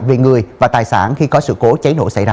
về người và tài sản khi có sự cố cháy nổ xảy ra